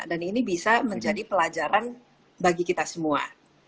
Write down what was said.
dan ini bisa menjadi pelajaran bagi kita semua